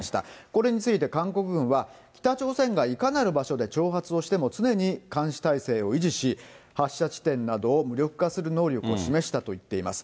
これについて韓国軍は、北朝鮮がいかなる場所で挑発をしても、常に監視態勢を維持し、発射地点などを無力化する能力を示したと言っています。